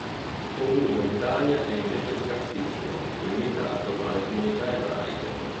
Il suo uso in Italia è invece scarsissimo, limitato alle comunità ebraiche.